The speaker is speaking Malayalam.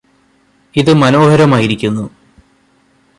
ഇത് മനോഹരമായിരിക്കുന്നു